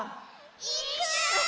いく！